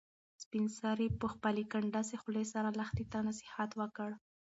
سپین سرې په خپلې کنډاسې خولې سره لښتې ته نصیحت وکړ.